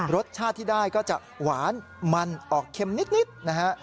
รสชาติที่ได้ก็จะหวานมันออกเค็มนิดนะฮะ